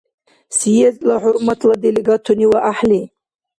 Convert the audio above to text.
Съездла хӀурматла делегатуни ва гӀяхӀли!